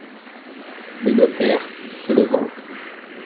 Le notaire , se levant.